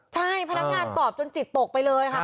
ใช่พนักงานตอบจนจิตตกไปเลยค่ะ